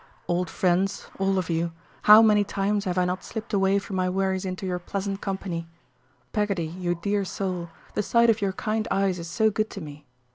Old friends, all of you, how many times have I not slipped away from my worries into your pleasant company! Peggotty, you dear soul, the sight of your kind eyes is so good to me.